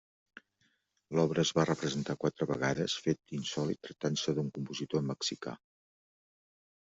L'obra es va representar quatre vegades, fet insòlit tractant-se d'un compositor mexicà.